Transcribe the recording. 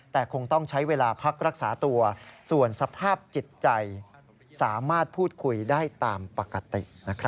แต่คงต้องใช้เวลาพักรักษาตัวส่วนสภาพจิตใจสามารถพูดคุยได้ตามปกติ